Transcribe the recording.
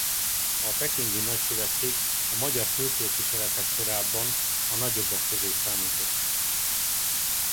A pekingi nagykövetség a magyar külképviseletek sorában a nagyobbak közé számított.